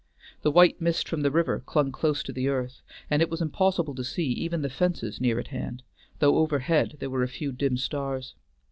The white mist from the river clung close to the earth, and it was impossible to see even the fences near at hand, though overhead there were a few dim stars.